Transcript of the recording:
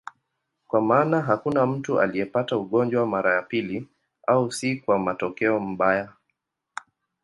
Kwa maana hakuna mtu aliyepata ugonjwa mara ya pili, au si kwa matokeo mbaya.